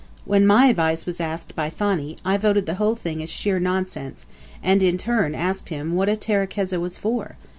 When my advice was asked by Thani, I voted the whole thing as sheer nonsense; and, in turn, asked him what a terekeza was for?